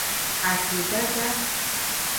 Akpedada.